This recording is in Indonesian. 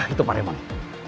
itu pak raymond